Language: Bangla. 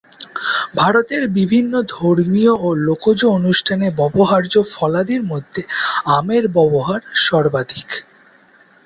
ভারতের বিভিন্ন ধর্মীয় ও লোকজ অনুষ্ঠানে ব্যবহার্য ফলাদির মধ্যে আমের ব্যবহার সর্বাধিক।